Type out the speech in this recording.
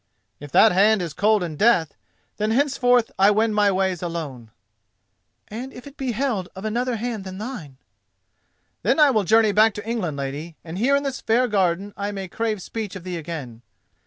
"If that hand is cold in death, then henceforth I wend my ways alone." "And if it be held of another hand than thine?" "Then I will journey back to England, lady, and here in this fair garden I may crave speech of thee again."